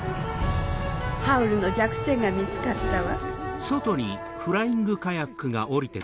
ハウルの弱点が見つかったわ。